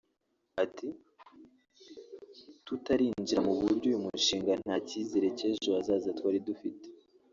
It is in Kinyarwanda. Ati “Tutarinjira muri uyu mushinga nta cyizere cy’ejo hazaza twari dufite